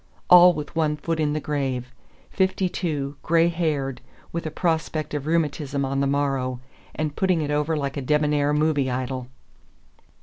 All with one foot in the grave! Fifty two, gray haired with a prospect of rheumatism on the morrow and putting it over like a debonair movie idol!